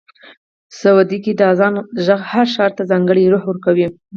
سعودي کې د اذان غږ هر ښار ته ځانګړی روح ورکوي.